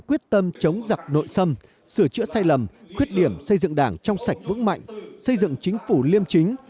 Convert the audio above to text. quyết tâm chống giặc nội xâm sửa chữa sai lầm khuyết điểm xây dựng đảng trong sạch vững mạnh